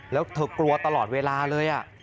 แล้วเธอกลัวตลอดเวลาเลย